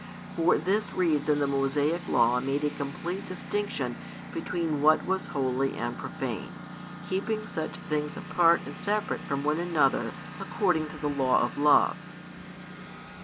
For this reason the Mosaic Law made a complete distinction between what was holy and profane, keeping such things apart and separate from one another according to the law of love.